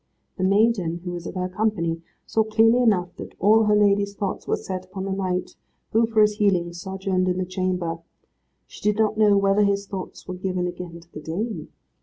The maiden, who was of her company, saw clearly enough that all her lady's thoughts were set upon the knight, who, for his healing, sojourned in the chamber. She did not know whether his thoughts were given again to the dame.